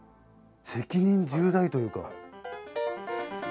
責任重大というか。